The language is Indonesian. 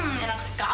nanti lagi ya kak